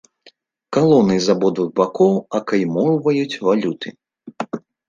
Калоны з абодвух бакоў акаймоўваюць валюты.